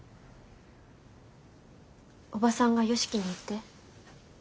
おばさんが良樹にって？